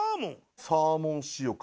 サーモン塩辛。